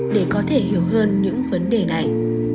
để có thể hiểu hơn những vấn đề này